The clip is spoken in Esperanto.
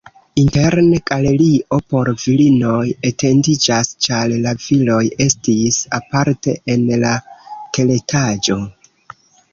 Interne galerio por virinoj etendiĝas, ĉar la viroj estis aparte en la teretaĝo.